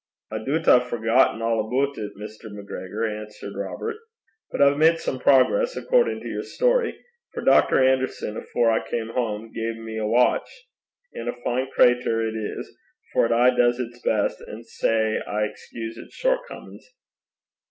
'I doobt I've forgotten a' aboot it, Mr. MacGregor,' answered Robert. 'But I've made some progress, accordin' to your story, for Dr. Anderson, afore I cam hame, gae me a watch. An' a fine crater it is, for it aye does its best, an' sae I excuse its shortcomin's.'